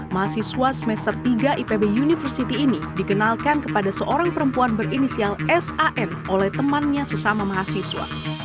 mahasiswa semester tiga ipb university ini dikenalkan kepada seorang perempuan berinisial san oleh temannya sesama mahasiswa